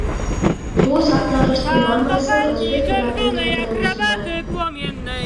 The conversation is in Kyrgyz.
Суу сактагычтын дамбасы өзбек тараптын кайтаруусунда.